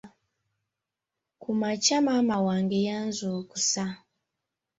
Ku makya maama wange yanzukusa.